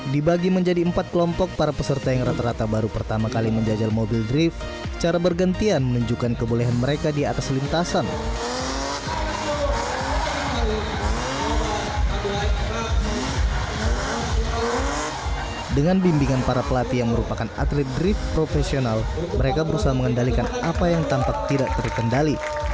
dengan bimbingan para pelatih yang merupakan atlet drift profesional mereka berusaha mengendalikan apa yang tampak tidak terkendali